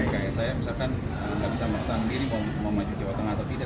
kayak saya misalkan nggak bisa merasakan diri mau maju jawa tengah atau tidak